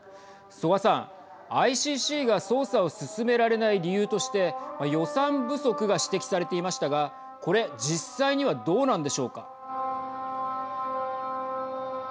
曽我さん、ＩＣＣが捜査を進められない理由として予算不足が指摘されていましたがこれ実際にはどうなんでしょうか。